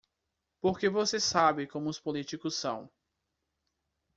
Porque você sabe como os políticos são.